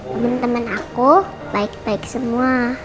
temen temen aku baik baik semua